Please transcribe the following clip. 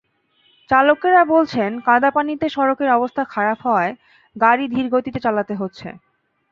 চালকেরা বলছেন, কাদাপানিতে সড়কের অবস্থা খারাপ হওয়ায় গাড়ি ধীর গতিতে চালাতে হচ্ছে।